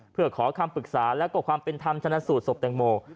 เพื่อขอคำปรึกษาแล้วก็ความเป็นธรรมชนะสูตศพแตงโม